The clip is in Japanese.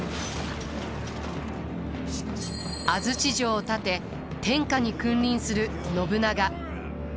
安土城を建て天下に君臨する信長。